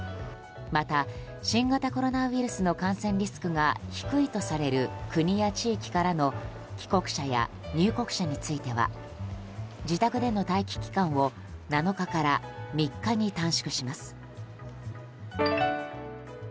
また、新型コロナウイルスの感染リスクが低いとされる国や地域からの帰国者や入国者については自宅での待機期間を７日から３日に短縮します。